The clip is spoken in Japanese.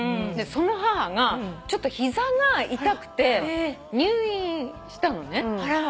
その母がちょっと膝が痛くて入院したのね手術のためにね。